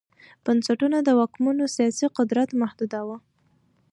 بنسټونه د واکمنانو سیاسي قدرت محدوداوه